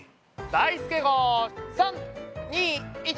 だいすけ号！３２１発射！